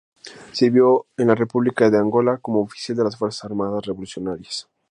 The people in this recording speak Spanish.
Sirvió en la República de Angola como oficial en las Fuerzas Armadas Revolucionarias.